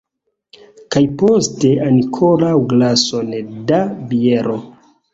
Kaj poste ankoraŭ glason da biero!